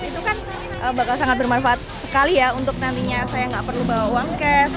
itu kan bakal sangat bermanfaat sekali ya untuk nantinya saya nggak perlu bawa uang cash